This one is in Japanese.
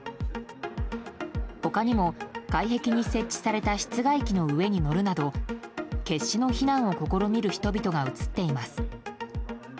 他にも外壁に設置された室外機の上に乗るなど決死の避難を試みる人々が映っています。